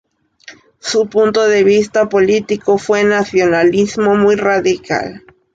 Su punto de vista político fue nacionalismo muy radical.